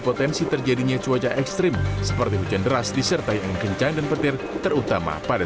potensi terjadinya cuaca ekstrim seperti hujan deras disertai angin kencang dan petir terutama pada